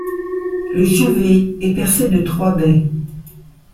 Le chevet est percé de trois baies.